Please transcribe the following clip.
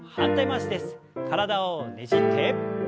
体をねじって。